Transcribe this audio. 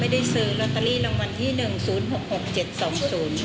ไม่ได้ซื้อลอตเตอรี่รางวัลที่หนึ่ง